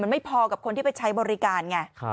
ไม่พอกับคนที่ไปใช้บริการไง